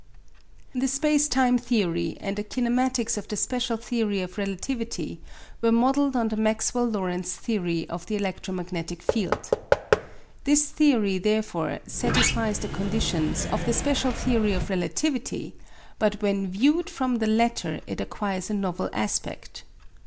The space time theory and the kinematics of the special theory of relativity were modelled on the Maxwell Lorentz theory of the electromagnetic field. This theory therefore satisfies the conditions of the special theory of relativity, but when viewed from the latter it acquires a novel aspect.